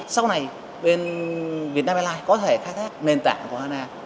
sau này bên vietnam airlines có thể khai thác nền tảng của hana